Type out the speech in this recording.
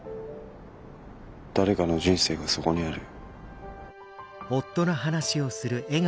誰かの人生がそこにある。